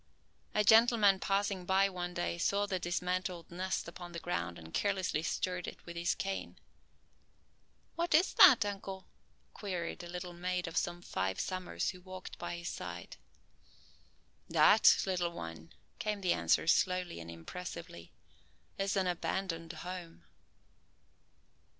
A gentleman passing by one day saw the dismantled nest upon the ground and carelessly stirred it with his cane. "What is that, uncle?" queried a little maid of some five summers who walked by his side. "That, little one," came the answer slowly and impressively, "is an abandoned home."